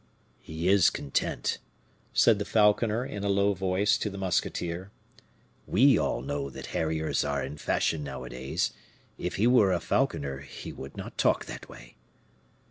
"He is content," said the falconer, in a low voice, to the musketeer; "we all know that harriers are in fashion nowadays; if he were a falconer he would not talk in that way."